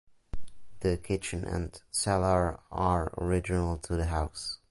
The kitchen and cellar are original to the house.